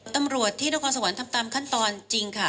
ตำรวจที่นครสวรรค์ทำตามขั้นตอนจริงค่ะ